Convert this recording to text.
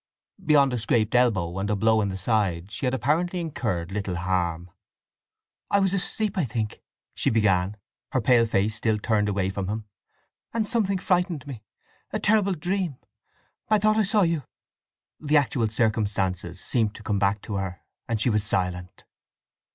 Beyond a scraped elbow and a blow in the side she had apparently incurred little harm. "I was asleep, I think!" she began, her pale face still turned away from him. "And something frightened me—a terrible dream—I thought I saw you—" The actual circumstances seemed to come back to her, and she was silent.